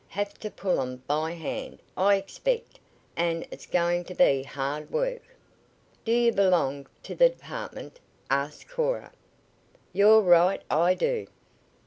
Have t' pull 'em by hand, I expect, an' it's goin' t' be hard work." "Do you belong to the department?" asked Cora. "You're right, I do."